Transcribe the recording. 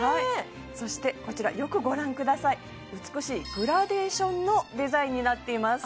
そしてこちらよくご覧ください美しいグラデーションのデザインになっています